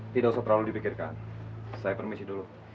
tidak usah terlalu dipikirkan saya permisi dulu